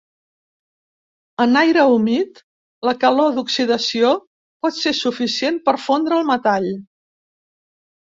En aire humit, la calor d'oxidació pot ser suficient per fondre el metall.